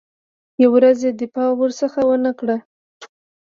یوه ورځ یې دفاع ورڅخه ونه کړه.